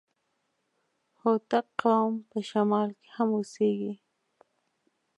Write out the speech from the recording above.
هوتک قوم په شمال کي هم اوسېږي.